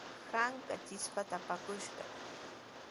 Anka chipshaata apakushqa.